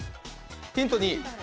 ヒント２。